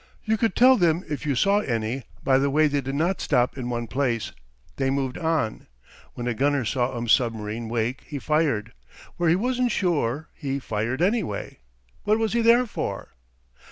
You could tell them if you saw any by the way they did not stop in one place; they moved on. When a gunner saw a submarine wake he fired; where he wasn't sure he fired anyway. What was he there for?